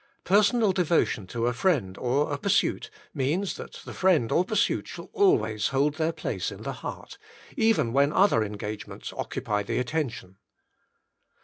Personal devotion to a friend or a pursuit means that that friend or pursuit shall always hold their place in the heart, even when other engagements occupy the attention.